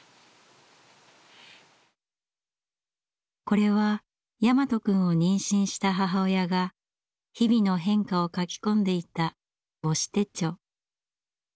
これは大和くんを妊娠した母親が日々の変化を書き込んでいた母子手帳。